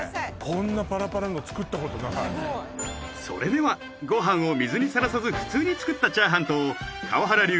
それではご飯を水にさらさず普通に作ったチャーハンと川原流